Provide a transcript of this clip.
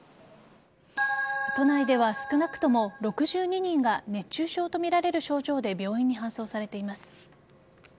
都内では少なくとも６２人が熱中症とみられる症状で病院に搬送されています。